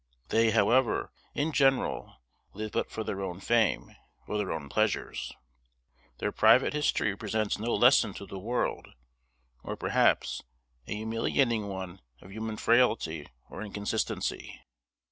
They, however, in general, live but for their own fame, or their own pleasures. Their private history presents no lesson to the world, or, perhaps, a humiliating one of human frailty or inconsistency.